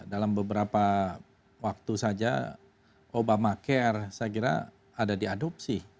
dalam beberapa waktu saja obamacare saya kira ada diadopsi